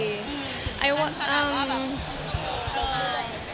คำถามว่าแบบ